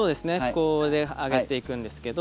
こうで上げていくんですけど。